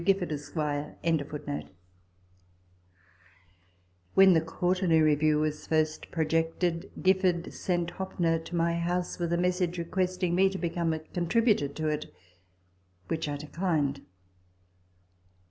Gifford, Esq., p. 101, third ed. 1804.] When the Quarterly Review was first projected, Gifford sent Hoppner to my house with a message requesting me to become a contributor to it ; which I declined.